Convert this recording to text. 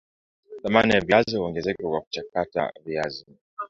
thamani ya viazi huongezeka kwa kuchakata viazi